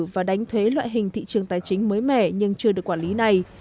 và đánh thuế loại hình thị trường tài chính mới mẻ nhưng chưa được quản lý này